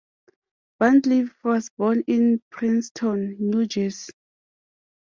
Van Cleve was born in Princeton, New Jersey.